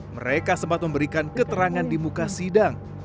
mereka sempat memberikan keterangan di muka sidang